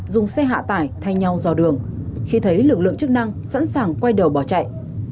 dùng xe hạ tải thay nhau dò đường khi thấy lực lượng chức năng sẵn sàng quay đầu bỏ chạy